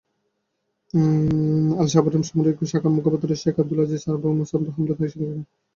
আল-শাবাবের সামরিক শাখার মুখপাত্র শেখ আবদুল আজিজ আবু মুসাব হামলার দায় স্বীকার করেছেন।